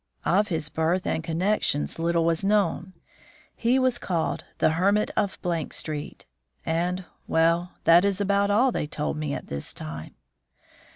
Of his birth and connections little was known; he was called the Hermit of Street, and well, that is about all they told me at this time.